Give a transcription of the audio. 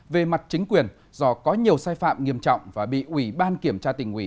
về mặt chính quyền do có nhiều sai phạm nghiêm trọng và bị ủy ban kiểm tra tỉnh ủy